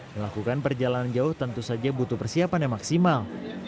melakukan perjalanan jauh tentu saja butuh persiapan yang maksimal